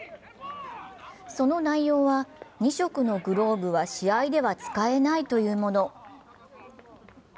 その内容は２色のグローブは試合では使えないというもの。